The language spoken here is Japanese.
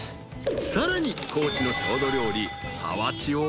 ［さらに高知の郷土料理皿鉢を］